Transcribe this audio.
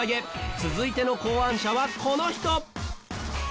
続いての考案者はこの人！